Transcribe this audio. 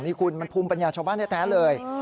นี่คุณมันภูมิปัญญาชาวบ้านแท้เลย